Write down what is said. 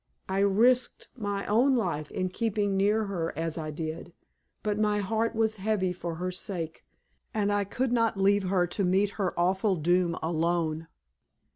I risked my own life in keeping near her as I did; but my heart was heavy for her sake, and I could not leave her to meet her awful doom alone.